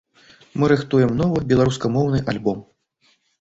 Мы рыхтуем новы, беларускамоўны альбом.